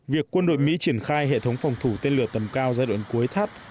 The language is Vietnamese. việc quân đội mỹ triển khai hệ thống phòng thủ tên lửa tầm cao giai đoạn cuối thắt